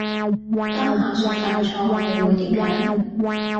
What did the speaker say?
當下屬犯錯你會點樣？